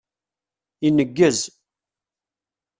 Ineggez.